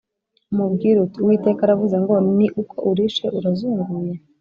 umubwire uti ‘Uwiteka aravuze ngo: Ni uko urishe urazunguye?’